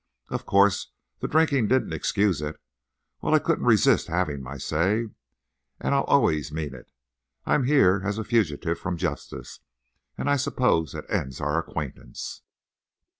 Of course, the drinking didn't excuse it. Well, I couldn't resist having my say; and I'll always mean it. I'm here as a fugitive from justice, and—I suppose that ends our acquaintance."